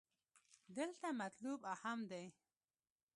دلته مطلوب اهم دې.